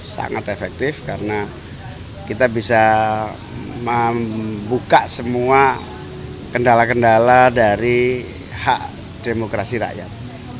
sangat efektif karena kita bisa membuka semua kendala kendala dari hak demokrasi rakyat